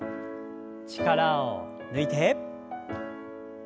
力を抜いて。